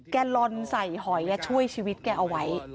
ลอนใส่หอยช่วยชีวิตแกเอาไว้